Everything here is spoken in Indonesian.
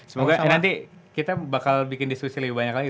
semoga nanti kita bakal bikin diskusi lebih banyak lagi